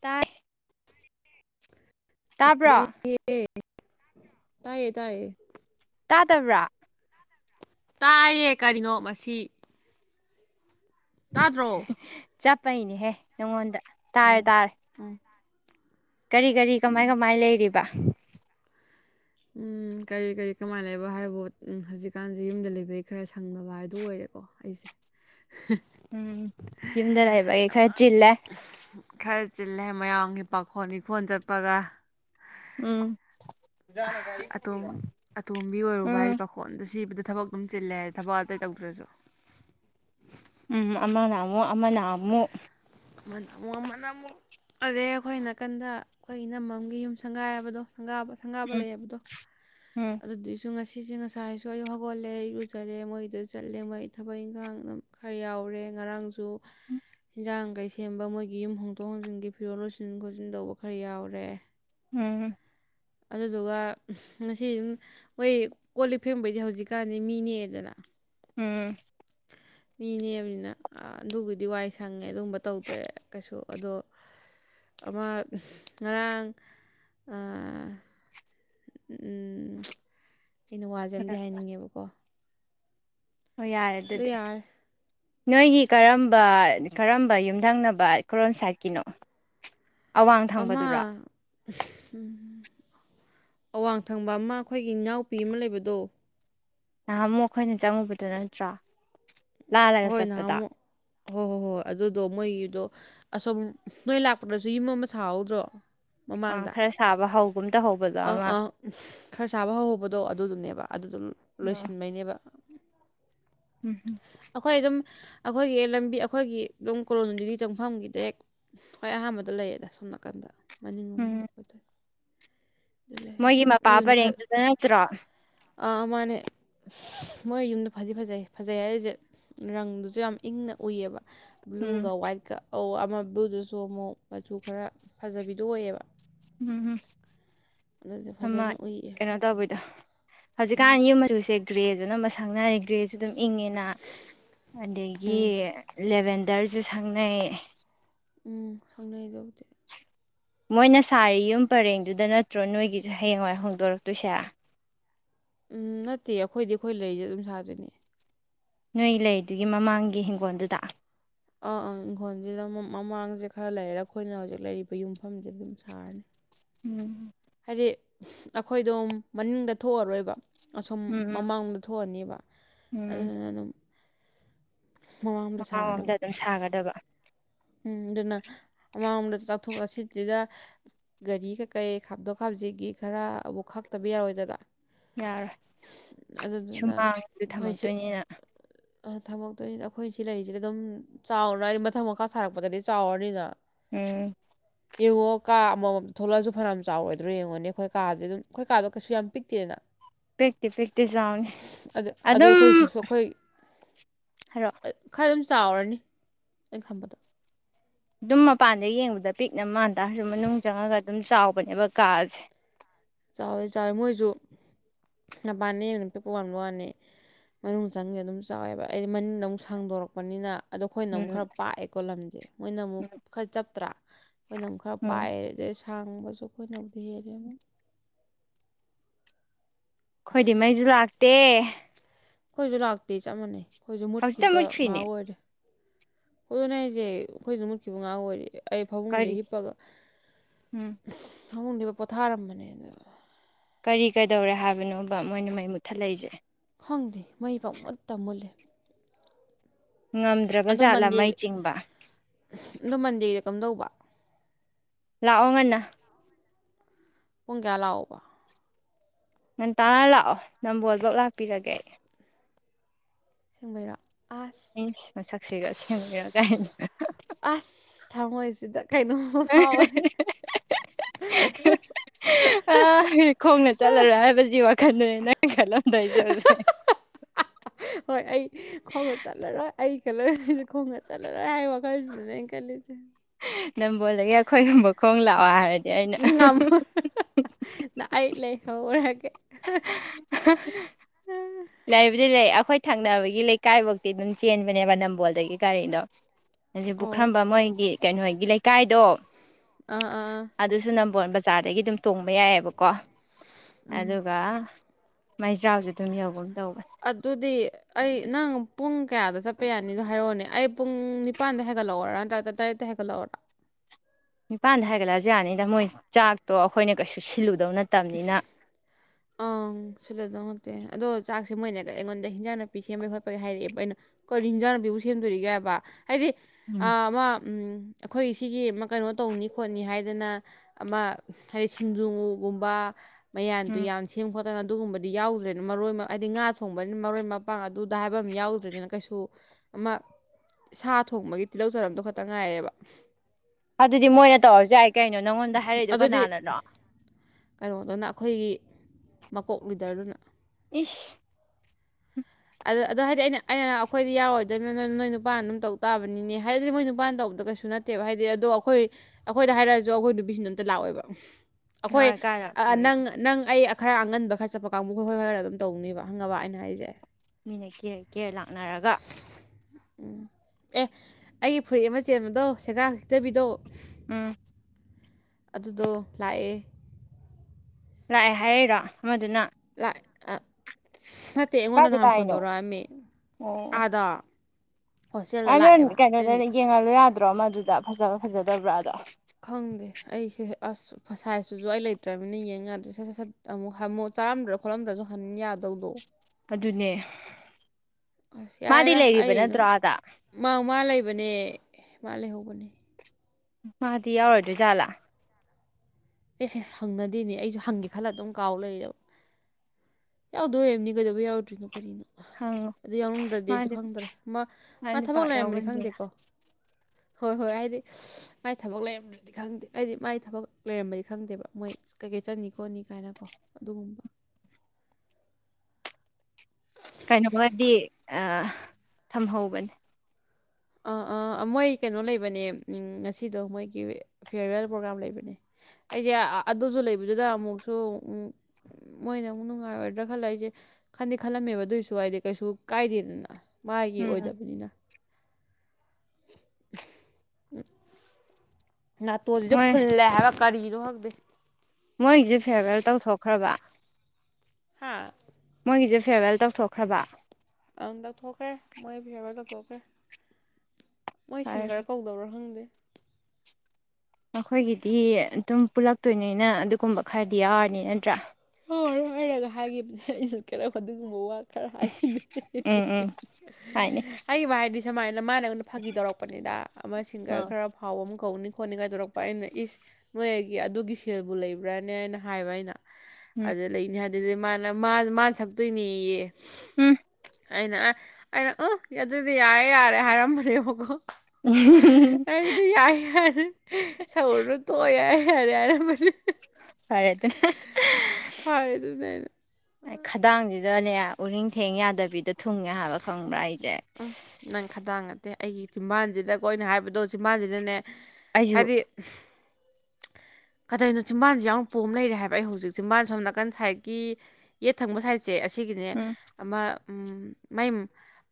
ꯇꯥꯛ ꯇꯥꯌꯦ ꯇꯌꯦ ꯇꯥꯗꯕ꯭ꯔꯥ ꯇꯥꯏꯌꯦ ꯀꯔꯤꯅꯣ ꯃꯁꯤ ꯇꯥꯗ꯭ꯔꯣ ꯆꯞꯄꯩꯅꯦꯍꯦ ꯅꯪꯉꯣꯟꯗ ꯇꯥꯔꯦ ꯇꯥꯔꯦ ꯑꯣ ꯀꯔꯤ ꯀꯔꯤ ꯀꯃꯥꯏ ꯀꯃꯥꯏ ꯂꯩꯔꯤꯕ ꯎꯝ ꯀꯔꯤ ꯀꯔꯤ ꯀꯃꯥꯏꯅ ꯂꯩꯕꯣ ꯍꯥꯏꯕꯣ ꯍꯧꯖꯤꯛꯀꯥꯟꯁꯦ ꯌꯨꯝꯗ ꯂꯩꯕꯒꯤ ꯈꯔ ꯁꯪꯅꯕ ꯍꯥꯏꯗꯨ ꯑꯣꯏꯔꯦ ꯀꯣ ꯑꯩꯁꯦ ꯎꯝ ꯌꯨꯝꯗ ꯂꯩꯕꯒꯤ ꯈꯔ ꯆꯤꯜꯂꯦ ꯈꯔ ꯆꯤꯜꯂꯦ ꯃꯌꯥꯝꯡꯒꯤ ꯄꯥꯈꯣꯟ ꯏꯈꯣꯜ ꯆꯠꯄꯒ ꯎꯝ ꯇꯣ ꯑꯇꯣꯝꯕꯤ ꯑꯣꯏꯔꯨ ꯍꯥꯏꯗꯤ ꯎꯝ ꯄꯥꯈꯣꯟꯗ ꯁꯤꯕꯗ ꯊꯕꯛ ꯑꯗꯨꯝ ꯆꯤꯜꯂꯦ ꯊꯕꯛ ꯑꯇꯩ ꯇꯧꯗ꯭ꯔꯁꯨ ꯎꯝ ꯑꯃꯅ ꯑꯃꯨꯛ ꯑꯃꯅ ꯑꯃꯨꯛ ꯑꯃꯅ ꯑꯃꯨꯛ ꯑꯃꯅ ꯑꯃꯨꯛ ꯑꯗꯩ ꯑꯩꯈꯣꯏ ꯅꯥꯀꯟꯗ ꯑꯩꯈꯣꯏ ꯏꯅꯝꯃꯒꯤ ꯌꯨꯝ ꯁꯪꯒꯥꯏ ꯍꯥꯏꯕꯗꯣ ꯁꯪꯒꯥꯕ ꯁꯪꯒꯥꯕ ꯎꯝ ꯂꯩ ꯍꯥꯏꯕꯗꯣ ꯎꯝ ꯑꯗꯨꯏꯁꯨ ꯉꯁꯤ ꯁꯤꯁꯦ ꯉꯁꯥꯏꯁꯨ ꯑꯩ ꯍꯧꯒꯠꯂꯦ ꯑꯩ ꯂꯨꯖꯔꯦ ꯃꯣꯏꯗ ꯆꯠꯂꯦ ꯃꯣꯏ ꯊꯕꯛ ꯏꯪꯈꯥꯡ ꯑꯗꯨ ꯈꯔ ꯌꯥꯎꯔꯦ ꯉꯔꯥꯡꯁꯨ ꯍꯛꯆꯥꯡ ꯀꯩ ꯁꯦꯝꯕ ꯃꯣꯏꯒꯤ ꯌꯨꯝ ꯍꯣꯡꯗꯣꯛ ꯍꯣꯡꯖꯤꯟꯒꯤ ꯐꯤꯔꯣꯜ ꯂꯁꯤꯟ ꯈꯣꯠꯆꯤꯟ ꯇꯧꯕ ꯈꯔ ꯌꯥꯎꯔꯦ ꯎꯝ ꯑꯗꯨꯗꯨꯒ ꯉꯁꯤ ꯃꯣꯏ ꯀꯣꯜ ꯂꯤꯛ ꯐꯦꯡꯕꯩꯗꯤ ꯍꯧꯖꯤꯛꯀꯥꯟꯗꯤ ꯃꯤꯅꯦꯑꯗꯅ ꯎꯝ ꯃꯤꯅꯦꯕꯅꯤꯅ ꯑꯗꯨꯕꯨꯗꯤ ꯋꯥꯏ ꯁꯪꯉꯦ ꯑꯗꯨꯝꯕ ꯇꯧꯗ꯭ꯔꯦ ꯀꯩꯁꯨ ꯑꯗꯣ ꯑꯃ ꯉꯔꯥꯡ ꯎꯝ ꯎꯝ ꯑꯩꯅ ꯋꯥꯖ ꯈꯔ ꯑꯃꯗꯤꯗꯤ ꯍꯥꯏꯅꯤꯡꯉꯦꯕꯀꯣ ꯑꯣꯣꯏ ꯌꯥꯔꯦ ꯑꯗꯣ ꯑꯗꯨꯗꯤ ꯌꯥꯔꯦ ꯅꯣꯏꯒꯤ ꯀꯔꯝꯕ ꯀꯔꯝꯕ ꯌꯨꯝꯊꯪꯅꯕ ꯀꯣꯟ ꯁꯥꯏꯠꯀꯤꯅꯣ ꯑꯋꯥꯡ ꯊꯪꯕꯗꯨꯔꯥ ꯎ ꯑꯋꯥꯡ ꯊꯪꯕ ꯑꯃ ꯑꯩꯈꯣꯏꯒꯤ ꯏꯅꯥꯎꯄꯤ ꯑꯃ ꯂꯩꯕꯗꯣ ꯅꯍꯥꯟ ꯑꯃꯨꯛ ꯑꯩꯈꯣꯏꯅ ꯆꯪꯉꯨꯕꯗꯨ ꯅꯠꯇ꯭ꯔꯥ ꯂꯥꯜꯂꯒ ꯍꯣꯏ ꯆꯠꯄꯗ ꯅꯍꯥꯟꯃꯨꯛ ꯍꯣꯏ ꯍꯣꯏ ꯍꯣꯏ ꯑꯗꯨꯗꯣ ꯃꯣꯏꯒꯤꯗꯣ ꯑꯁꯣꯝ ꯅꯣꯏ ꯂꯥꯛꯄꯗꯁꯨ ꯌꯨꯝ ꯑꯃ ꯁꯥꯍꯧꯗ꯭ꯔꯣ ꯑ ꯃꯃꯥꯡꯗ ꯈꯔ ꯁꯥꯕ ꯍꯒꯨꯝꯇ ꯍꯧꯕꯗꯣ ꯑꯥ ꯑꯥ ꯈꯔ ꯁꯥꯕ ꯍꯧꯍꯧꯕꯗꯣ ꯑꯗꯨꯗꯨꯅꯦꯕ ꯑꯗꯨꯗꯣ ꯂꯣꯏꯁꯤꯟꯕꯩꯅꯦꯕ ꯎꯝꯝ ꯑꯩꯈꯣꯏ ꯑꯗꯨꯝ ꯑꯩꯈꯣꯏꯒꯤ ꯂꯝꯕꯤ ꯑꯩꯈꯣꯏꯒꯤ ꯑꯗꯨꯝ ꯀꯣꯂꯣꯅꯤꯗꯨꯗꯒꯤ ꯆꯪꯐꯝꯒꯤꯗꯤ ꯍꯦꯛ ꯈ꯭ꯋꯥꯏ ꯑꯍꯥꯟꯕꯗ ꯂꯩꯌꯦꯗ ꯁꯨꯝ ꯁꯣꯝꯂꯅꯥꯀꯥꯟꯗ ꯎꯝ ꯃꯅꯤꯡꯂꯣꯝꯗ ꯑꯣꯏꯗꯣꯏ ꯑꯗꯨ ꯂꯩꯔꯦ ꯑꯗꯣ ꯃꯣꯏꯒꯤ ꯃꯄꯥ ꯄꯔꯦꯡꯗꯨꯗ ꯅꯠꯇ꯭ꯔꯣ ꯑ ꯃꯥꯅꯦ ꯃꯣꯏ ꯌꯨꯝꯗ ꯐꯖ ꯐꯖꯩ ꯐꯖꯩ ꯍꯥꯏꯔꯤꯁꯦ ꯔꯪꯗꯨꯁꯨ ꯌꯥꯝ ꯏꯪꯅ ꯎꯏꯌꯦꯕ ꯕ꯭ꯂꯨꯒ ꯎꯝ ꯋꯥꯏꯠꯀ ꯑꯧ ꯑꯃ ꯕ꯭ꯂꯨꯗꯁꯨ ꯑꯃꯨꯛ ꯃꯆꯨ ꯈꯔ ꯐꯖꯕꯤꯗꯣ ꯑꯣꯏꯌꯦꯕ ꯑꯗꯨꯁꯨ ꯎꯝꯝꯃ ꯐꯖꯅ ꯎꯏꯌꯦ ꯀꯩꯅꯣ ꯇꯧꯕꯩꯗꯣ ꯍꯧꯖꯤꯛꯀꯥꯟ ꯌꯨꯝ ꯃꯆꯨꯁꯦ ꯒ꯭ꯔꯦꯗꯨꯅꯝ ꯃ ꯁꯪꯅꯔꯦ ꯒ꯭ꯔꯦꯁꯦ ꯑꯗꯨꯝ ꯏꯪꯉꯤꯅ ꯑꯗꯒꯤ ꯂꯦꯚꯦꯟꯗꯔꯁꯨ ꯁꯪꯅꯩ ꯎꯝ ꯁꯥꯎꯅꯩꯗꯕꯨꯗꯤ ꯃꯣꯏꯅ ꯁꯥꯔꯤ ꯌꯨꯝ ꯄꯔꯦꯡꯗꯨꯗ ꯅꯠꯇ꯭ꯔꯣ ꯅꯣꯏꯒꯤ ꯍꯌꯦꯡꯋꯥꯏ ꯍꯣꯡꯗꯣꯔꯛꯇꯣꯏꯁꯦ ꯎꯝ ꯅꯠꯇꯦ ꯑꯩꯈꯣꯏꯗꯤ ꯑꯩꯈꯣꯏ ꯂꯩꯔꯤꯁꯦ ꯑꯗꯨꯝ ꯁꯥꯗꯣꯏꯅꯦ ꯅꯣꯏ ꯂꯩꯗꯨꯒꯤ ꯃꯃꯥꯡꯒꯤ ꯍꯤꯡꯒꯣꯜꯗꯨꯗ ꯑꯥ ꯑꯥ ꯏꯪꯈꯣꯜꯁꯤꯗ ꯃꯃꯥꯡꯁꯦ ꯈꯔ ꯂꯩꯔꯦ ꯑꯩꯈꯣꯏꯅ ꯍꯧꯖꯤꯛ ꯂꯩꯔꯤꯕ ꯌꯨꯝꯐꯝꯁꯦ ꯑꯗꯨꯝ ꯁꯥꯔꯅꯤ ꯎꯝ ꯍꯥꯏꯗꯤ ꯑꯩꯈꯣꯏꯗꯣ ꯃꯅꯤꯡꯗ ꯊꯣꯛꯑꯔꯣꯏꯕ ꯑꯁꯨꯝ ꯎꯝ ꯎꯝ ꯃꯃꯥꯡꯗ ꯊꯣꯛꯑꯅꯦꯕ ꯎꯝ ꯑꯗꯨꯗꯨꯅ ꯑꯗꯨꯝ ꯃꯃꯥꯡꯗ ꯃꯃꯥꯡꯂꯣꯝꯗ ꯁꯥꯥꯟꯒꯗꯕ ꯑꯗꯨꯝ ꯁꯥꯒꯗꯕ ꯎꯝ ꯑꯗꯨꯅ ꯑ ꯆ ꯆꯥꯎꯊꯣꯛ ꯆꯠꯁꯤꯟꯁꯤꯗ ꯒꯥꯔꯤ ꯀꯩꯀꯩ ꯈꯥꯞꯗꯣꯛ ꯈꯥꯞꯖꯤꯤꯟꯒꯤ ꯈꯔꯕꯨ ꯈꯛꯇꯕ ꯌꯥꯔꯣꯏꯗꯅ ꯌꯥꯔꯣꯏ ꯑꯗꯨꯗꯨꯅ ꯁꯨꯃꯥꯡꯗ ꯊꯝꯃꯛꯇꯣꯏꯅꯤꯅ ꯑꯥ ꯊꯝꯃꯛꯇꯣꯏꯅꯦ ꯑꯩꯈꯣꯏ ꯁꯤ ꯂꯩꯔꯤꯁꯤꯗ ꯑꯗꯨꯝ ꯆꯥꯎꯔ ꯍꯥꯏꯗꯤ ꯃꯊꯪ ꯃꯈꯥ ꯁꯥꯔꯛꯄꯗꯗꯤ ꯆꯥꯎꯔꯅꯤꯅ ꯎꯝ ꯏꯉꯣ ꯀꯥꯃꯃ ꯊꯣꯛꯂꯛꯑꯁꯨ ꯐꯅꯌꯥꯝ ꯆꯥꯎꯔꯣꯏꯗ꯭ꯔꯣ ꯌꯦꯡꯉꯣꯅꯦ ꯑꯩꯈꯣꯏ ꯀꯥꯗꯗꯤ ꯑꯗꯨꯝ ꯑꯩꯈꯣꯏ ꯀꯥꯗꯣ ꯀꯩꯁꯨ ꯌꯥꯝ ꯄꯤꯛꯇꯦꯅ ꯄꯤꯛꯇꯤ ꯄꯤꯛꯇꯤ ꯆꯥꯎꯅꯤ ꯑꯗꯨ ꯑꯩꯈꯣꯏ ꯑꯩꯈꯣꯏ ꯍꯛ ꯈꯔ ꯑꯗꯨꯝ ꯆꯥꯎꯔꯅꯤ ꯑꯩ ꯈꯝꯕꯗꯣ ꯑꯗꯨꯝ ꯃꯄꯥꯟꯗ ꯌꯦꯡꯕꯗ ꯄꯤꯛꯅ ꯃꯥꯟ ꯇꯔꯁꯨ ꯃꯅꯨꯡ ꯆꯪꯉꯒ ꯑꯗꯨꯝ ꯆꯥꯎꯕꯅꯦꯕ ꯀꯥꯁꯦ ꯆꯥꯎꯋꯤ ꯆꯥꯎꯋꯦ ꯃꯣꯏꯁꯨ ꯃꯄꯥꯟꯅꯤ ꯅꯨꯄꯤꯦꯛꯄ ꯋꯥꯕ ꯋꯥꯅꯤ ꯃꯅꯨꯡ ꯆꯪꯁꯦ ꯑꯗꯨꯝ ꯆꯥꯎꯋꯦꯕ ꯑꯩꯗꯤ ꯃꯅꯤꯡꯗ ꯑꯃꯨꯛ ꯁꯥꯡꯗꯣꯔꯛꯄꯅꯤꯅ ꯑꯗꯣ ꯑꯩꯈꯣꯏꯅ ꯑꯃꯨꯛ ꯎꯝ ꯈꯔ ꯄꯥꯛꯑꯦꯀꯣ ꯂꯝꯁꯦ ꯃꯣꯏꯅ ꯑꯃꯨꯛ ꯎꯝ ꯈꯔ ꯆꯞꯄ꯭ꯔꯥ ꯑꯩꯈꯣꯏꯅ ꯑꯃꯨꯛ ꯈꯔ ꯎꯝ ꯄꯥꯛꯑꯦ ꯑꯗꯩ ꯁꯥꯡꯕꯁꯨ ꯑꯩꯈꯣꯏꯅ ꯎꯗꯤ ꯍꯦꯜꯂꯦ ꯑꯃ ꯑꯩꯈꯣꯏꯗꯤ ꯃꯩꯁꯨ ꯂꯥꯛꯇꯦ ꯑꯩꯈꯣꯏꯁꯨ ꯂꯥꯛꯇꯦ ꯆꯞ ꯃꯥꯟꯅꯩ ꯑꯩꯈꯣꯏꯁꯨ ꯍꯧꯖꯤꯛꯇ ꯃꯨꯠꯈꯤꯕ ꯉꯍꯥ ꯃꯨꯠꯈ꯭ꯔꯤꯅꯦ ꯑꯣꯏꯔꯦ ꯍꯗꯅꯦ ꯑꯩꯁꯦ ꯑꯩꯈꯣꯏꯁꯨ ꯃꯨꯠꯈꯤꯕ ꯉꯍꯥ ꯑꯣꯏꯅꯤ ꯑꯩ ꯐꯃꯨꯡꯅꯤ ꯀꯔꯤ ꯍꯤꯞꯄꯒ ꯎꯝ ꯐꯃꯨꯡ ꯄꯣꯊꯥꯔꯝꯕꯅꯦ ꯑꯗꯨ ꯀꯔꯤ ꯀꯩꯗꯧꯔꯦ ꯍꯥꯏꯕꯅꯣꯕ ꯃꯣꯏꯅ ꯃꯩ ꯃꯨꯠꯊꯠꯂꯛꯏꯁꯦ ꯈꯪꯗꯦ ꯃꯩ ꯐꯥꯎ ꯃꯨꯠꯇ ꯃꯨꯠꯂꯦ ꯉꯝꯗ꯭ꯔꯕ ꯑꯗꯣ ꯖꯥꯠꯂꯥ ꯃꯩ ꯃꯟꯗꯦꯒꯤ ꯆꯤꯡꯕ ꯑꯗꯣ ꯃꯟꯗꯦꯒꯤꯗ ꯀꯝ ꯇꯧꯕ ꯑꯣ ꯉꯟꯅ ꯄꯨꯡ ꯀꯌꯥ ꯂꯥꯛꯑꯣꯕꯥ ꯉꯟꯇꯥꯥꯅ ꯂꯥꯛꯑꯣ ꯅꯝꯕꯣꯜꯐꯧ ꯂꯥꯛꯄꯤꯔꯒꯦ ꯑꯩ ꯑꯁꯦꯡ ꯕꯩꯔꯣ ꯏ ꯃꯁꯛꯁꯤꯒ ꯑꯥꯁꯦꯡ ꯕꯩꯔꯥ ꯀꯥꯏꯅꯥ ꯑꯁ ꯊꯃꯣꯏꯁꯤꯗ ꯀꯩꯅꯣꯝꯃ ꯐꯥꯎꯋꯦ ꯑ ꯈꯣꯡꯅ ꯆꯠꯂꯔꯣꯏ ꯍꯥꯏꯕꯁꯤ ꯋꯥꯈꯜ ꯀꯟꯅꯅꯪ ꯈꯂꯗꯏ ꯆꯁꯦ ꯍꯣꯏ ꯑꯩ ꯈꯣꯡꯅ ꯆꯠꯂꯔꯣꯏ ꯑꯩ ꯈꯜꯂꯔ ꯑꯩꯁꯨ ꯈꯣꯡꯅ ꯆꯠꯂꯔꯣꯏ ꯇ ꯋꯥꯈꯜꯁꯤꯗꯥꯅꯤ ꯑꯩꯅꯥ ꯈꯜꯂꯤꯖꯦ ꯂꯝꯝꯣꯜꯒꯦ ꯑꯩꯈꯣꯏꯌꯨꯝꯕ ꯈꯣꯡ ꯂꯥꯛꯑꯣ ꯍꯥꯏꯔꯗꯤ ꯑꯩꯅ ꯉꯝꯃꯔꯣꯏꯅ ꯑꯩ ꯂꯩꯍꯧꯔꯒꯦ ꯍꯤ ꯍꯤ [unintelligible] [inaudible] ꯂꯩꯕꯨꯗꯤ ꯂꯩ ꯑꯩꯈꯣꯏ ꯊꯛꯅꯕꯒꯤ ꯂꯩꯀꯥꯏꯐꯧꯛꯇꯤ ꯑꯗꯨꯝ ꯆꯦꯟꯕꯅꯦꯕ ꯅꯝꯕꯣꯜꯗꯒꯤ ꯒꯥꯔꯤꯗꯣ ꯍꯧ ꯑꯣ ꯄꯨꯈ꯭ꯔꯝꯕ ꯃꯣꯏꯒꯤ ꯀꯩꯅꯣꯒꯤ ꯂꯩ ꯏꯀꯥꯏꯗꯣ ꯑꯥ ꯑꯥ ꯑꯗꯨꯁꯨ ꯅꯝꯕꯣꯜ ꯕꯖꯥꯔꯗꯒꯤ ꯑꯗꯨꯝ ꯇꯣꯡꯕ ꯌꯥꯏꯑꯕꯀꯣ ꯑꯗꯨꯒ ꯃꯩꯆꯥꯎꯁꯨ ꯑꯗꯨꯝ ꯌꯧꯕꯅꯤ ꯑꯗꯨꯗꯤ ꯑꯩ ꯅꯪ ꯄꯨꯡ ꯀꯌꯥꯗ ꯆꯠꯄ ꯌꯥꯅꯤꯗꯣ ꯍꯥꯏꯔꯛꯑꯣꯅꯦ ꯑꯩ ꯄꯨꯡ ꯅꯤꯄꯥꯟꯗ ꯍꯥꯏꯒꯠꯂꯛꯑꯣꯔꯥ ꯅꯠꯇ꯭ꯔꯒ ꯇꯔꯦꯠꯇ ꯍꯥꯏꯒꯠꯂꯛꯑꯣꯔꯥ [unintelligible] [inaudible] ꯅꯤꯄꯥꯟꯗ ꯍꯥꯏꯒꯠꯂꯑ ꯌꯥꯅꯤꯗ ꯃꯣꯏ ꯆꯥꯛꯇꯣ ꯑꯩꯈꯣꯏꯅ ꯀꯩꯁꯨ ꯁꯤꯜꯂꯨ ꯑꯪ ꯁꯤꯜꯂꯨꯗꯣ ꯅꯠꯇꯦ ꯑꯗꯣ ꯆꯥꯛꯁꯦ ꯃꯣꯏꯅꯒ ꯑꯩꯉꯣꯟꯗ ꯍꯤꯟꯖꯥꯡ ꯅꯥꯄꯤ ꯁꯦꯝꯕꯒꯤ ꯈꯣꯠꯄꯒꯤꯩ ꯍꯥꯏꯔꯛꯑꯦꯕ ꯑꯩꯅ ꯀꯣ ꯏꯤꯟꯖꯥꯡꯅ ꯅꯨꯄꯤꯕꯨ ꯁꯦꯝꯗꯣꯔꯤꯒ ꯍꯥꯏꯕ ꯍꯥꯏꯗꯤ ꯑ ꯎꯝ ꯃꯥ ꯑꯩꯈꯣꯏ ꯁꯤꯒꯤ ꯑꯃ ꯀꯩꯅꯣ ꯇꯧꯅꯤ ꯈꯣꯠꯅꯤ ꯍꯥꯏꯗꯅ ꯑꯃ ꯍꯥꯏꯗꯤ ꯁꯤꯡꯖꯨ ꯒꯨꯝꯕ ꯃꯌꯥꯟꯗꯨ ꯎꯝ ꯌꯥꯝ ꯁꯦꯝ ꯈꯣꯠ ꯑꯗꯨꯠꯇꯅ ꯑꯗꯨꯒꯨꯝꯕꯗꯤ ꯌꯥꯎꯗ꯭ꯔꯦꯅ ꯃꯔꯣꯏ ꯍꯥꯏꯗꯤ ꯉꯥ ꯊꯣꯡꯕꯅꯤꯅ ꯃꯔꯣꯏ ꯃꯄꯥꯡ ꯑꯗꯨꯗ ꯍꯥꯏꯕ ꯑꯃ ꯌꯥꯎꯗ꯭ꯔꯦꯅꯤꯅ ꯀꯩꯁꯨ ꯑꯃ ꯁꯥ ꯊꯣꯡꯕꯒꯤ ꯇꯤꯜꯍꯧ ꯆꯔꯝꯗꯣ ꯈꯛꯇ ꯉꯥꯏꯔꯦꯕ ꯑꯗꯨꯗꯤ ꯃꯣꯏꯅ ꯇꯧꯔꯁꯨ ꯌꯥꯏ ꯀꯩꯅꯣ ꯅꯪꯉꯣꯟꯗ ꯍꯥꯏꯔꯛꯏꯗꯨꯣ ꯀꯅꯥꯅꯅꯣ ꯀꯩꯅꯣꯗꯧꯅ ꯑꯩꯈꯣꯏꯒꯤ ꯃꯀꯣꯛ ꯂꯤꯗꯔꯗꯨꯅ ꯏꯁ ꯑ ꯑꯗꯣ ꯍꯥꯏꯗꯤ ꯑꯩꯅ ꯑꯩꯅ ꯑꯩꯈꯣꯏꯗꯤ ꯌꯥꯎꯔꯣꯏꯗꯣꯏꯅꯤꯅ ꯅꯣꯏ ꯅꯣꯏ ꯅꯨꯄꯥ ꯑꯗꯨꯝ ꯇꯧ ꯇꯥꯕꯅꯤꯅꯦ ꯍꯥꯏꯗꯤ ꯅꯣꯏ ꯅꯨꯄꯥꯥꯟ ꯇꯧꯗ ꯑꯗꯣ ꯀꯩꯁꯨ ꯅꯠꯇꯦꯕ ꯍꯥꯏꯗꯤ ꯑꯗꯣ ꯑꯩꯈꯣꯏ ꯑꯩꯈꯣꯏꯗ ꯍꯥꯏꯔꯛꯑꯁꯨ ꯑꯩꯈꯣꯏ ꯅꯨꯄꯤꯁꯤꯅ ꯑꯝꯇ ꯂꯥꯛꯑꯣꯏꯕ ꯑꯩꯈꯣꯏ ꯅꯥꯎꯔꯤ ꯀꯥꯏ ꯅꯪ ꯂꯥꯛꯇꯣꯔꯤꯒꯦ ꯅꯪ ꯑꯩ ꯈꯔ ꯑꯥꯡꯉꯟꯕ ꯈꯔ ꯆꯠꯄ ꯀꯥꯡꯕꯨ ꯈꯣꯏ ꯍꯣꯏ ꯍꯣꯏ ꯈꯔ ꯑꯗꯨꯝ ꯇꯧꯅꯦꯕ ꯍꯪꯉꯅꯕ ꯑꯩꯅ ꯍꯥꯏꯁꯦ ꯃꯤꯅ ꯀꯦꯔ ꯀꯦꯔ ꯂꯥꯛꯅꯔꯒ ꯎꯝ ꯑꯦ ꯑꯩꯒꯤ ꯐꯨꯔꯤꯠ ꯑꯃ ꯆꯦꯟꯕꯗꯣ ꯁꯦꯒꯥꯥ ꯍꯤꯛꯇꯕꯤꯗꯣ ꯎꯝ ꯑꯗꯨꯗꯣ ꯂꯥꯛꯑꯦ ꯂꯥꯛꯑꯦ ꯍꯥꯏꯔꯛꯏꯔꯣ ꯑꯃꯗꯨꯅ ꯂꯥꯛ ꯑ ꯅꯠꯇꯦ ꯑꯩꯉꯣꯟꯗ ꯀꯥꯏꯗ ꯅꯍꯥꯟ ꯐꯣꯟ ꯂꯥꯛꯏꯅꯣ ꯇꯧꯔꯛꯑꯝꯃꯤ ꯑꯥꯗ ꯑ ꯍꯣꯁꯇꯦꯜꯗ ꯅ ꯂꯥꯛꯑꯦꯕ ꯀꯩꯅꯣꯗ ꯑꯩꯅꯗꯤ ꯌꯦꯡꯍꯜꯂꯣ ꯌꯥꯗ꯭ꯔꯣ ꯃꯗꯨꯗ ꯐꯖꯕ ꯐꯖꯗꯕ꯭ꯔꯥ ꯑꯗꯣ ꯈꯪꯗꯦ ꯑꯩꯁꯦ ꯑꯁ ꯁꯥꯏꯖꯇꯨꯁꯨ ꯑꯩ ꯂꯩꯇ꯭ꯔꯕꯅꯤꯅ ꯌꯦꯡꯉ ꯌꯥꯗꯗꯤ ꯁꯠ ꯁꯠ ꯁꯠ ꯑꯃꯨꯛ ꯆꯥꯔꯝꯗ꯭ꯔ ꯈꯣꯠꯂꯝꯗ꯭ꯔꯁꯨ ꯍꯟ ꯌꯥꯗ ꯇꯧꯗꯣ ꯑꯗꯨꯅꯦ ꯑꯁ ꯃꯥꯗꯤ ꯌꯥꯏꯔ ꯂꯩꯔꯤꯕ ꯑꯩ ꯅꯠꯇ꯭ꯔꯣ ꯑꯗꯨꯝ ꯑꯥꯗ ꯃꯥ ꯃꯥ ꯂꯩꯕ ꯕꯅꯦ ꯃꯥ ꯂꯩ ꯍꯧꯕꯅꯦ ꯃꯥꯗꯤ ꯌꯥꯎꯔꯣꯏꯗꯣꯏꯖꯥꯠꯂꯥ ꯑꯦ ꯍꯪꯅꯗꯦꯅꯦ ꯑꯩꯁꯨ ꯍꯪꯒꯦ ꯈꯜꯂ ꯑꯗꯨꯝ ꯀꯥꯎ ꯂꯩꯔꯦꯕ ꯌꯥꯎꯗꯣꯏ ꯍꯥꯏꯕꯅꯤ ꯀꯩꯗꯧꯕ ꯌꯥꯎꯗ꯭ꯔꯤꯅꯣ ꯀꯔꯤꯅꯣ ꯍꯪꯉꯣ ꯑꯗꯨ ꯌꯥꯎꯅꯤꯡꯗ꯭ꯔꯗꯤꯁꯨ ꯃꯥꯗꯤ ꯈꯪꯗ꯭ꯔꯦ ꯃꯥ ꯃꯥ ꯃꯥꯗꯤ ꯊꯕꯛ ꯄꯥꯛ ꯂꯩꯔꯝꯕꯅꯤ ꯌꯥꯎꯒꯟꯗꯦꯗ ꯈꯪꯗꯦꯀꯣ ꯍꯣꯏ ꯍꯣꯏ ꯍꯥꯏꯗꯤ ꯃꯥꯏ ꯊꯕꯛ ꯂꯩꯔꯝꯗ꯭ꯔꯗꯤ ꯈꯪꯗꯦ ꯍꯥꯏꯗꯤ ꯃꯥꯏ ꯊꯕꯛ ꯂꯩꯔꯝꯃ ꯈꯪꯗꯦꯕ ꯃꯣꯏ ꯀꯩꯀꯩ ꯆꯠꯅꯤ ꯈꯣꯠꯅꯤ ꯀꯥꯏꯅꯀꯣ ꯑꯗꯨꯒꯨꯝꯕ ꯀꯩꯅꯣꯒꯗꯤ ꯊꯝꯍꯧꯕꯅꯦ ꯑꯥ ꯑꯥ ꯃꯣꯏ ꯀꯩꯅꯣ ꯂꯩꯕꯅꯦ ꯉꯁꯤꯗꯣ ꯃꯣꯏꯒꯤ ꯐꯤꯌꯔꯋꯦꯜ ꯄ꯭ꯔꯣꯒꯥꯥꯝ ꯂꯩꯕꯅꯦ ꯑꯩꯁꯦ ꯑꯗꯨꯁꯨ ꯂꯩꯕꯗꯨꯗ ꯑꯃꯨꯛꯁꯨ ꯃꯣꯏꯅ ꯑꯃꯨꯛ ꯅꯨꯡꯉꯥꯏꯔꯣꯏꯗ꯭ꯔꯥ ꯈꯜꯂ ꯑꯩꯁꯦ ꯈꯟꯗꯤꯦ ꯈꯜꯂꯝꯃꯦꯕ ꯑꯗꯨꯑꯣꯏꯁꯨ ꯍꯥꯏꯗꯤ ꯀꯩꯁꯨ ꯀꯥꯏꯗꯦꯗꯅ ꯃꯥꯥꯏꯒꯤ ꯎꯝ ꯑꯣꯏꯗꯕꯅꯤꯅ ꯅ ꯇꯣꯗꯤ ꯃꯣꯏ ꯐꯨꯜꯂꯦ ꯍꯥꯏꯦꯕ ꯀꯔꯤꯗꯣ ꯍꯗ ꯃꯣꯏꯒꯤꯁꯦ ꯐꯤꯔꯋꯦꯜ ꯇꯧꯊꯣꯛꯈ꯭ꯔꯕ ꯍꯥꯥ ꯃꯣꯏꯒꯤꯁꯦ ꯐꯦꯔꯋꯦꯜ ꯇꯧꯊꯣꯛꯈ꯭ꯔꯕ ꯑꯗꯛ ꯊꯣꯛꯣꯛꯈ꯭ꯔꯦ ꯃꯣꯏ ꯕꯤꯍꯦꯕꯔꯗꯊꯣꯛꯈ꯭ꯔꯦ ꯃꯣꯏ ꯁꯤꯡꯒꯔ ꯀꯧꯗꯧꯔꯣ ꯍꯪꯗꯦ ꯑꯩꯈꯣꯏꯒꯤꯗꯤ ꯑꯗꯨꯝ ꯄꯨꯜꯂꯛꯇꯣꯏꯅꯤꯅ ꯑꯗꯨꯒꯨꯝꯕ ꯈꯔꯗꯤ ꯌꯥꯎꯔꯅꯤ ꯅꯠꯇ꯭ꯔꯥ ꯍꯣꯏꯣꯏꯔꯒ ꯍꯥꯏꯈꯤꯕꯅꯦ ꯑꯩꯅꯠꯀꯔ ꯑꯗꯨꯒꯨꯝꯕ ꯋꯥ ꯈꯔ ꯍꯥꯏꯈꯤꯅꯤꯦ ꯎꯝ ꯎꯝ ꯍꯥꯏꯅꯤ ꯑꯩ ꯚ ꯍꯥꯏꯗꯤ ꯁꯨꯃꯥꯏꯅ ꯃꯥꯅ ꯑꯩꯉꯣꯟꯗ ꯐꯥꯒꯤ ꯇꯧꯔꯛꯄꯅꯤꯗ ꯑꯃ ꯁꯤꯡꯒꯔ ꯎꯝ ꯈꯔ ꯐꯥꯎꯕ ꯑꯃ ꯀꯧꯅꯤ ꯈꯣꯠꯅꯤꯡ ꯀꯥꯏꯗꯣꯔꯛꯄ ꯑꯩꯅ ꯏꯁ ꯅꯣꯏꯒꯤ ꯑꯗꯨꯒꯤ ꯁꯦꯜꯕꯨ ꯂꯩꯕ꯭ꯔꯅꯦꯅ ꯍꯥꯏꯕ ꯑꯩꯅ ꯎꯝ ꯑꯗꯨ ꯂꯩꯅꯤ ꯍꯥꯏꯗꯨꯗꯤ ꯃꯥꯅ ꯃꯥ ꯃꯥꯅ ꯁꯛꯇꯣꯏꯅꯦꯌꯦ ꯎꯝ ꯑꯩꯅ ꯑ ꯑꯩꯅ ꯎ ꯑꯗꯨꯗꯤ ꯌꯥꯔꯦ ꯌꯥꯔꯦ ꯍꯥꯏꯔꯝꯕꯅꯦꯕꯀꯣ ꯑꯩꯗꯤ ꯌꯥꯏ ꯌꯥꯅꯤ ꯁꯧꯔꯅ ꯇꯣꯛ ꯌꯥꯏ ꯍꯔꯦ ꯌꯥꯔ ꯐꯔꯦ ꯑꯗꯨꯅ ꯐꯔꯦ ꯑꯗꯨꯅ ꯑꯩꯅ ꯈꯗꯥꯡꯁꯤ ꯑꯗꯅꯦ ꯎꯔꯤꯡꯊꯦꯡ ꯌꯥꯗꯕꯤꯗꯣ ꯊꯨꯡꯉꯦ ꯍꯥꯏꯕ ꯈꯪꯕ꯭ꯔꯥ ꯑꯩꯁꯦ ꯎꯝ ꯅꯪ ꯈꯗꯥꯡ ꯅꯠꯇꯦ ꯑꯩꯒꯤ ꯆꯤꯝꯕꯥꯜꯁꯤꯗꯀꯣꯏꯅ ꯍꯥꯏꯕꯗꯣ ꯆꯤꯝꯕꯥꯥꯟꯁꯤꯅꯅꯦ ꯑꯩꯁꯨ ꯍꯥꯏꯗꯤ ꯀꯗꯏꯩꯅꯣ ꯆꯤꯝꯕꯥꯜꯁꯦ ꯌꯥꯝꯅ ꯄꯣꯝ ꯑꯃ ꯂꯩꯔꯦ ꯍꯥꯏꯕ ꯑꯩ ꯍꯧꯖꯤꯛ ꯆꯤꯝꯕꯥꯜ ꯁꯣꯝ ꯅꯥꯀꯟ ꯁꯥꯏꯠꯀꯤ ꯌꯦꯠ ꯊꯪꯕ ꯁꯥꯏꯠꯁꯦ ꯁꯤꯒꯤꯅꯦ ꯎꯝ ꯑꯃ ꯃꯩ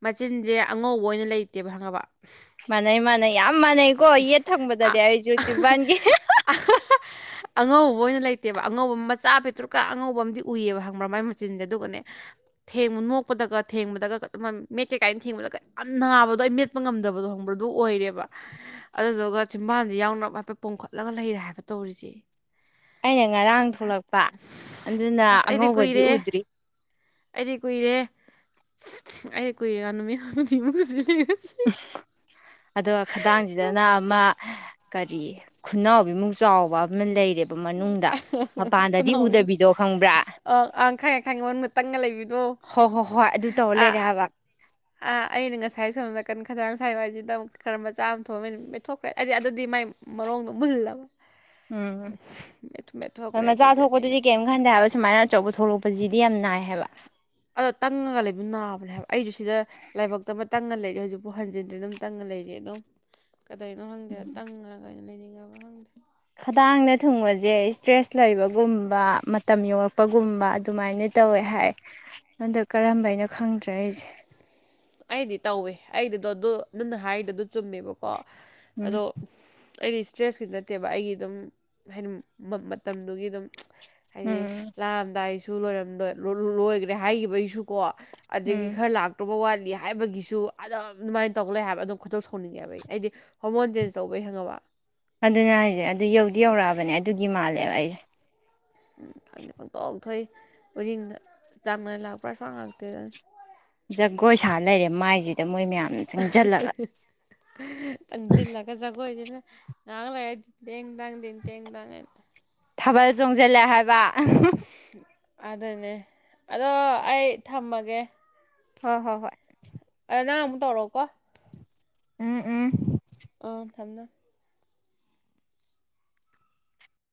ꯃꯆꯤꯟꯁꯦ ꯑꯉꯧꯕ ꯑꯣꯏꯅ ꯂꯩꯇꯦꯕ ꯈꯪꯉꯕ ꯃꯥꯟꯅꯩ ꯃꯥꯟꯅꯩ ꯌꯥꯝ ꯃꯥꯟꯅꯩꯀꯣ ꯌꯦꯠ ꯊꯪꯕꯗꯗꯤ ꯑꯩꯁꯨ ꯆꯖꯤꯤꯝꯕꯥꯟꯒꯤ ꯍ ꯑꯉꯧꯕ ꯑꯣꯏꯅ ꯂꯩꯇꯦꯕ ꯑꯉꯧꯕ ꯑꯃ ꯃꯆꯥ ꯄꯤꯇ꯭ꯔꯨꯛꯀ ꯑꯉꯧꯕ ꯑꯃꯗꯤ ꯎꯏꯑꯕ ꯍꯪꯕ꯭ꯔꯥ ꯃꯥꯏ ꯃꯆꯤꯟꯁꯦ ꯑꯗꯨꯒꯅꯦ ꯊꯦꯡꯉꯨ ꯅꯣꯛꯄꯗꯒ ꯊꯦꯡꯕꯗꯒ ꯑꯗꯨꯃꯥꯏꯅ ꯃꯦꯠꯀꯦ ꯀꯥꯏꯅ ꯊꯦꯡꯕꯗꯒ ꯌꯥꯝ ꯅꯥꯕꯗꯣ ꯑꯩ ꯃꯦꯠꯄ ꯉꯝꯗꯕꯗꯣ ꯍꯪꯕ ꯑꯗꯨ ꯑꯣꯏꯔꯦꯕ ꯑꯗꯨꯗꯨꯒ ꯆꯤꯝꯕꯥꯜꯁꯦ ꯌꯥꯎꯅ ꯍꯥꯏꯐꯦꯠ ꯄꯣꯝꯈꯠꯂꯒ ꯂꯩꯔꯦ ꯍꯥꯏꯕ ꯇꯧꯔꯤꯁꯦ ꯑꯩꯅ ꯉꯔꯥꯡ ꯊꯣꯛꯂꯛꯄ ꯑꯗꯨꯅ ꯑꯁ ꯑꯩꯗꯤ ꯑꯉꯧꯕꯗꯤ ꯀꯨꯏꯔꯦꯍꯦ ꯎꯗ꯭ꯔꯤ ꯑꯩꯗꯤ ꯀꯨꯏꯔꯦ ꯑꯩ ꯀ ꯌꯥꯝꯅꯃꯤꯁꯤ ꯑꯗꯣ ꯈꯖꯥꯡꯁꯤ ꯐꯗꯅ ꯑꯃ ꯀꯔꯤ ꯈꯨꯅꯥꯎꯕꯤꯃꯨꯛ ꯆꯥꯎꯕ ꯑꯃ ꯂꯩꯔꯦꯕ ꯃꯅꯨꯡꯗ ꯃꯄꯥꯟꯗꯗꯤ ꯈꯅꯥꯎ ꯎꯗꯕꯤꯗꯣ ꯈꯪꯕ꯭ꯔꯥ ꯇ ꯀꯪꯂꯩ ꯍꯣꯏ ꯍꯣꯏ ꯍꯣꯏ ꯑꯗꯨ ꯇꯧ ꯂꯩꯔꯦ ꯍꯥꯏꯕ ꯑꯥ ꯑꯩꯅ ꯉꯁꯥꯏ ꯁꯣꯝ ꯅꯥꯀꯟ ꯈꯗꯥꯥꯡ ꯁꯥꯏꯕ ꯍꯥꯏꯁꯤꯗ ꯑꯃꯨꯛ ꯈꯔ ꯃꯆꯥ ꯑꯃ ꯊꯣꯛꯑꯕꯅꯤ ꯃꯦꯊꯣꯛꯈ꯭ꯔꯦ ꯍꯥꯏꯗꯤ ꯑꯗꯨꯗꯤ ꯃꯥꯏ ꯃꯔꯣꯡꯗꯣ ꯃꯨꯍꯜꯂꯕ ꯎꯝ ꯍꯣꯏ ꯃꯦꯠꯊꯣꯛꯈ꯭ꯔꯦ ꯃꯆꯥ ꯑꯗꯨꯗꯤ ꯑꯩꯅ ꯊꯣꯛꯄꯗꯨꯗꯤ ꯀꯔꯤꯝ ꯈꯟꯗꯦ ꯍꯥꯏꯕ ꯁꯨꯃꯥꯏꯅ ꯑꯆꯧꯕ ꯊꯣꯛꯂꯛꯄꯁꯤꯗꯤ ꯌꯥꯝ ꯅꯥꯏ ꯍꯥꯏꯕ ꯑꯗꯣ ꯇꯪꯉꯒ ꯂꯩꯕ ꯅꯥꯕꯅꯦ ꯍꯥꯏꯕ ꯑꯩꯁꯨ ꯁꯤꯗ ꯂꯥꯏꯕꯛꯇ ꯑꯃ ꯇꯪꯉꯒ ꯂꯩꯔꯦ ꯍꯧꯖꯤꯛ ꯍꯧꯖꯤꯛꯄꯨ ꯍꯟꯖꯤꯟꯗ꯭ꯔꯤ ꯑꯗꯨꯝꯇꯪꯒ ꯂꯩꯔꯗꯨ ꯑꯗꯨꯝ ꯀꯗꯥꯩꯅꯣ ꯈꯪꯗꯦ ꯇꯪꯉꯒ ꯀꯩꯅꯣ ꯂꯩꯅꯤꯡꯉꯕ꯫ ꯈꯪꯗꯦ ꯈꯗꯥꯡꯗ ꯊꯨꯡꯕꯁꯦ ꯏꯁꯇ꯭ꯔꯦꯁ ꯂꯩꯕꯒꯨꯝꯕ ꯃꯇꯝ ꯌꯧꯔꯛꯄꯒꯨꯝꯕ ꯑꯗꯨꯃꯥꯏꯅ ꯇꯧꯋꯦ ꯍꯥꯏ ꯑꯗꯣ ꯀꯔꯝꯕꯩꯅꯣ ꯈꯪꯗ꯭ꯔꯦ ꯑꯩꯁꯦ [unintelligible] ꯑꯩꯗꯤ ꯇꯧꯋꯦ ꯑꯩꯗꯨꯗꯣ ꯑꯗꯨꯅ ꯍꯥꯏꯔꯤꯗꯣ ꯆꯨꯝꯃꯦꯕꯀꯣ ꯎꯝ ꯑꯗꯣ ꯑꯩꯗꯤ ꯁ꯭ꯇ꯭ꯔꯦꯁꯀꯤ ꯅꯠꯇꯦꯕ ꯑꯩꯒꯤ ꯑꯗꯨꯝ ꯍꯥꯏꯗꯤ ꯃꯇꯝꯗꯨꯒꯤ ꯑꯗꯨꯝ ꯍꯥꯏꯗꯤ ꯎꯝ ꯂꯥꯛꯑꯝꯗꯥꯏꯁꯨ ꯂꯣꯏꯔꯝꯗꯣꯏ ꯂꯣꯏꯈ꯭ꯔꯦ ꯍꯥꯏꯈꯤꯕꯒꯤꯁꯨꯀꯣ ꯑꯗꯒꯤ ꯎꯝ ꯈꯔ ꯂꯥꯛꯇꯕ ꯋꯥꯠ ꯍꯥꯏꯕꯒꯤꯁꯨ ꯑꯗꯨꯝ ꯑꯗꯨꯃꯥꯏꯅ ꯇꯧꯒ ꯂꯩ ꯍꯥꯏꯕ ꯑꯗꯨꯝ ꯈꯣꯏꯗꯧ ꯁꯥꯎꯅꯤꯡꯉꯦꯕ ꯑꯩꯗꯤ ꯍꯣꯔꯃꯣꯟ ꯆꯦꯟꯖ ꯇꯧꯕꯩ ꯈꯪꯉꯕ ꯑꯗꯨꯅꯦ ꯍꯥꯏꯖꯦ ꯑꯗꯨ ꯌꯧꯗꯤ ꯌꯧꯔꯛꯑꯕꯅꯦ ꯑꯗꯨꯒꯤ ꯃꯥꯜꯂꯦꯕ ꯑꯩꯁꯦ [unintelligible] ꯄꯪꯊꯣꯛ ꯊꯣꯛꯏ ꯎꯔꯤꯡꯗ ꯆꯥꯡ ꯅꯥꯏꯅ ꯂꯥꯛꯄ꯭ꯔꯥꯁꯨ ꯁꯨꯡꯂꯥꯛ ꯂꯥꯛꯇꯦꯗ ꯖꯒꯣꯏ ꯁꯥ ꯂꯩꯔꯦ ꯃꯥꯏꯖꯤꯗ ꯃꯣꯏ ꯃꯌꯥꯝ ꯆꯪꯖꯤꯜꯂꯒ ꯆꯪꯖꯤꯜꯂꯒ ꯖꯒꯣꯏꯖꯤꯅ ꯉꯍꯥꯛ ꯂꯩꯔ ꯗꯤꯡ ꯇꯦꯡ ꯇꯥꯡ ꯗꯤꯡꯇꯦꯡ ꯇꯥꯡ ꯍꯥꯏꯅ ꯊꯥꯕꯜ ꯆꯣꯡꯖꯜꯂꯦ ꯍꯥꯏꯕ [unintelligible] ꯑꯗꯨꯅꯦ ꯑꯗꯣ ꯑꯩ ꯊꯝꯃꯒꯦ ꯍꯣꯏ ꯍꯣꯏ ꯍꯣꯏ ꯑꯗꯣ ꯅꯪ ꯑꯃꯨꯛ ꯇꯧꯔꯣꯀꯣ ꯎꯝ ꯎꯝ ꯑ [unintelligible]